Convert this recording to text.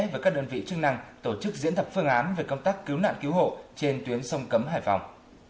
và các đơn vị chức năng tổ chức diễn tập phương án về công tác cứu nạn cứu hộ trên tuyến sông cấm hải phòng